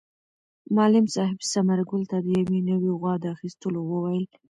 معلم صاحب ثمر ګل ته د یوې نوې غوا د اخیستلو وویل.